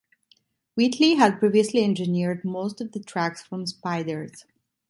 Wheatley had previously engineered most of the tracks from "Spiders".